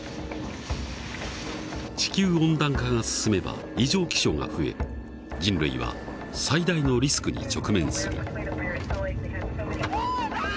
地球温暖化が進めば異常気象が増え人類は最大のリスクに直面する。